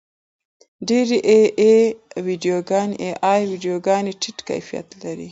ډېرې اې ای ویډیوګانې ټیټ کیفیت لري.